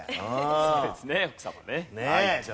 そうですね奥様ね。